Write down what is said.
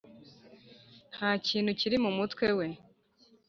ntakintu kiri mumutwe we